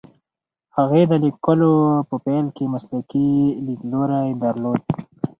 هغې د لیکلو په پیل کې مسلکي لیدلوری درلود.